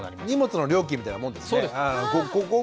荷物の料金みたいなもんですね。